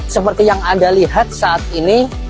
seperti yang anda lihat saat ini